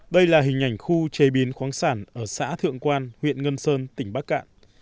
đây là hình ảnh khu chế biến khoáng sản ở xã thượng quan huyện ngân sơn tỉnh bắc cạn